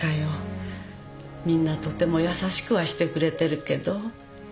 みんなとても優しくはしてくれてるけど。